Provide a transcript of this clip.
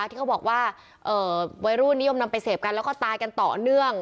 ที่เขาบอกว่าวัยรุ่นนิยมนำไปเสพกันแล้วก็ตายกันต่อเนื่อง